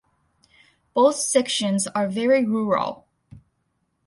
Both sections are very rural.